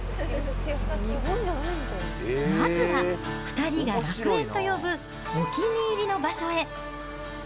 まずは２人が楽園と呼ぶ、お気に入りの場所へ。